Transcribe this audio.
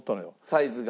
サイズが？